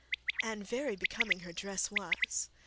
And very becoming her dress was.